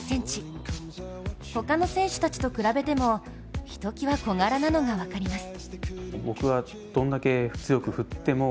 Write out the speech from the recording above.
他の選手たちと比べてもひときわ小柄なのが分かります。